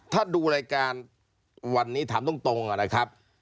ถ้าดูรายการวันนี้ถามตรงนะครับ